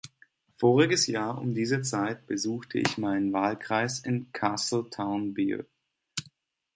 Voriges Jahr um diese Zeit besuchte ich meinen Wahlkreis in Castletownbere.